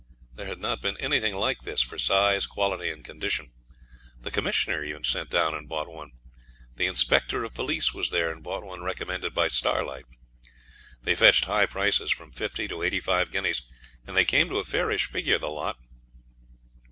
There had not been anything like this for size, quality, and condition. The Commissioner sent down and bought one. The Inspector of Police was there, and bought one recommended by Starlight. They fetched high prices, from fifty to eighty five guineas, and they came to a fairish figure the lot.